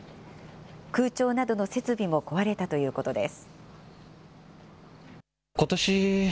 空調などの設備も壊れたということです。